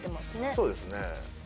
そうですね。